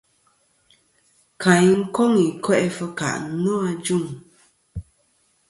Kayn koŋ i ko'i fɨkà nô ajuŋ.